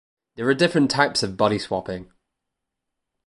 There are different types of body swapping.